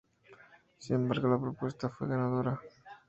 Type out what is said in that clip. Sin embargo, la propuesta fue la ganadora.